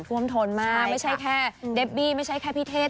ท่วมทนมากไม่ใช่แค่เดบบี้ไม่ใช่แค่พี่เทศ